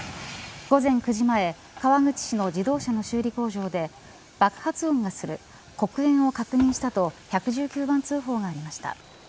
午前９時前川口市の自動車の修理工場で爆発音がする、黒煙を確認したと１１９番通報がありました。